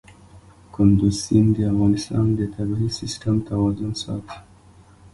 کندز سیند د افغانستان د طبعي سیسټم توازن ساتي.